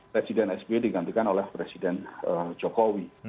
presiden sby digantikan oleh presiden jokowi